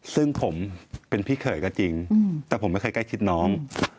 ซึ่งผมเป็นพี่เขยก็จริงแต่ผมไม่เคยใกล้ชิดน้อง